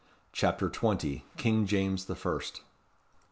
CHAPTER XX. King James the First.